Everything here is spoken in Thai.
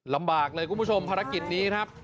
ลำบากเลยคุณผู้ชมภารกิจนี้ครับ